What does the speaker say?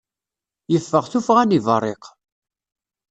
Yeffeɣ tuffɣa n yiberriq.